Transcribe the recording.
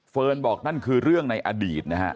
บอกนั่นคือเรื่องในอดีตนะฮะ